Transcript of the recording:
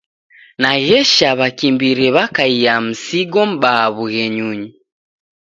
Naghesha w'akimbiri w'akaia msigo m'baa w'ughenyunyi.